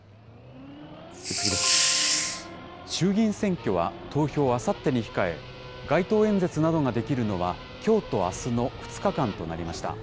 衆議院選挙は投票をあさってに控え、街頭演説などができるのは、きょうとあすの２日間となりました。